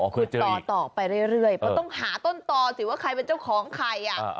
ขุดต่อไปเรื่อยเพราะต้องหาต้นต่อสิว่าใครเป็นเจ้าของใคร